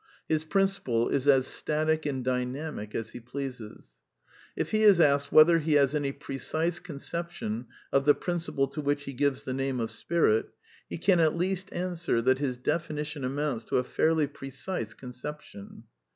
His principle is as static and dynamic as he pleases. f he is asked whether he has any precise conception of he principle to which he gives the name of Spirit, he can at least answer that his definition amounts to a fairly precise conception.